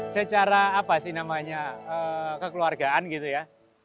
secara apa sih namanya kekeluargaan gitu ya